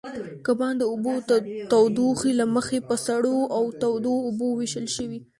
کبان د اوبو تودوخې له مخې په سړو او تودو اوبو وېشل شوي.